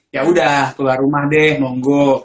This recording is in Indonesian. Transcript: ya udah keluar rumah deh monggo